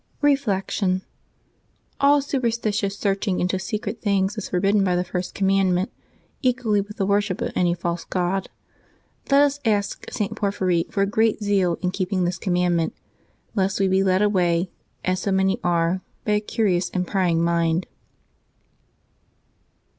Reflection. — All superstitious searching into secret things is forbidden by the First Commandment equally with the worship of any false god. Let us ask St. Por phyry for a great zeal in keeping this commandment, lest we b^ led away, as so many are, by a curious and prying mind.